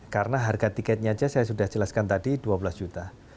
karena harga tiketnya saja saya sudah jelaskan tadi dua belas juta